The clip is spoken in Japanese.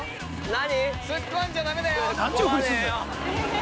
◆何？